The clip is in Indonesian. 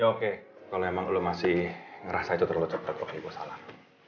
ya oke kalau emang lo masih ngerasa itu terlalu cepet oke ibu salah